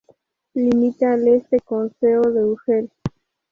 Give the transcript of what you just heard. Limita al Este con Seo de Urgel.